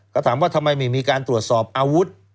ก็ถามว่าทำไมไม่มีการตรวจสอบอาวุธ